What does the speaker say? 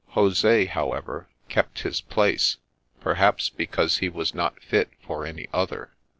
Jose, however, kept his place, perhaps because he was not fit for any other.